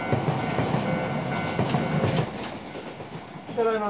ただいま。